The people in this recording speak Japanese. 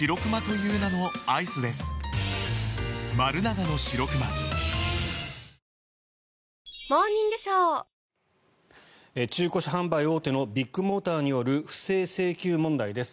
光のキッチンザ・クラッソ中古車販売大手のビッグモーターによる不正請求問題です。